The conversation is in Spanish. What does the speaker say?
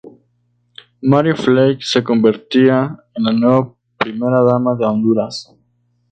Mary Flake se convertía en la nueva Primera Dama de Honduras.